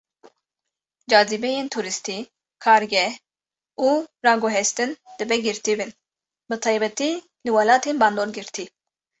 Cazîbeyên tûrîstî, kargeh, û raguhestin dibe girtî bin, bi taybetî li welatên bandorgirtî.